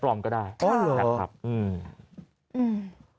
ปลอมก็ได้อ๋อเหรอครับอืม